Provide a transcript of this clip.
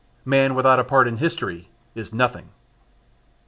Man without a part in history is nothing.